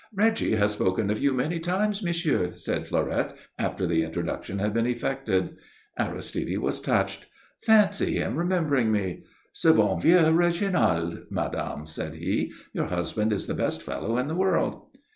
"Reggie has spoken of you many times, monsieur," said Fleurette, after the introduction had been effected. Aristide was touched. "Fancy him remembering me! Ce bon vieux Reginald. Madame," said he, "your husband is the best fellow in the world."